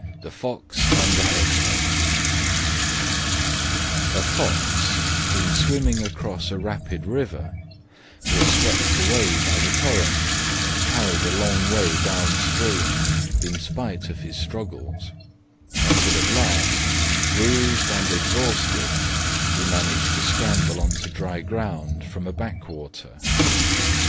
THE FOX AND THE HEDGEHOG A Fox, in swimming across a rapid river, was swept away by the current and carried a long way downstream in spite of his struggles, until at last, bruised and exhausted, he managed to scramble on to dry ground from a backwater.